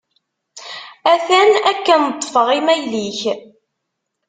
Atan akken ṭṭfeɣ imayl-ik.